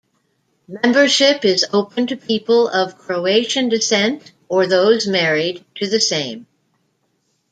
Membership is open to people of Croatian descent or those married to the same.